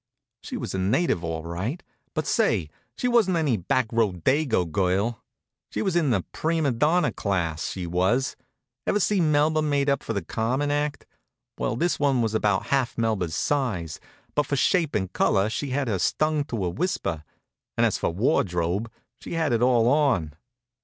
She was a native, all right; but say, she wasn't any back row dago girl. She was in the prima donna class, she was. Ever see Melba made up for the "Carmen" act? Well, this one was about half Melba's size, but for shape and color she had her stung to a whisper; and as for wardrobe, she had it all on.